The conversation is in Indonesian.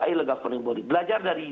ilegal pernimbunan belajar dari